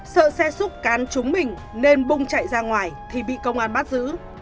sợ xe xúc cán trúng mình nên bung chạy ra ngoài thì bị công an bắt giữ